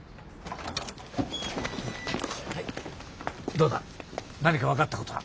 どうだ何か分かったことは？